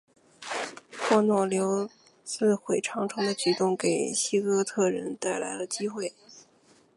霍诺留自毁长城的举动给西哥特人带来了机会。